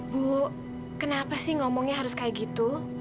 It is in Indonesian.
bu kenapa sih ngomongnya harus kayak gitu